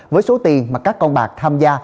với số tiền mà các con bạc tham gia